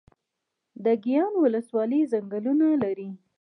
د ګیان ولسوالۍ ځنګلونه لري